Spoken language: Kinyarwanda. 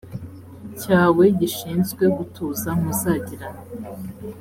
cyawe gishinzwe gutuza muzagirana